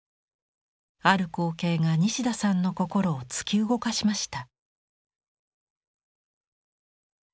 ある光景が西田さんの心を突き動かしました。